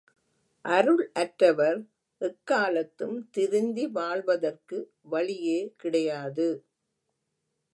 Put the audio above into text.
அருளற்றவர் எக்காலத்தும் திருந்தி வாழ்வதற்கு வழியே கிடையாது.